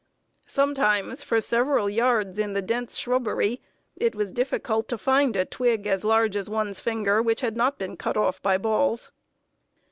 Sometimes, for several yards in the dense shrubbery, it was difficult to find a twig as large as one's finger, which had not been cut off by balls.